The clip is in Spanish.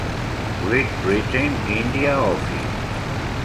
Great Britain India Office.